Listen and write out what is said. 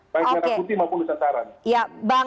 baik di rangkuti maupun di santaran